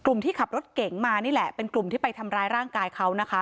ที่ขับรถเก๋งมานี่แหละเป็นกลุ่มที่ไปทำร้ายร่างกายเขานะคะ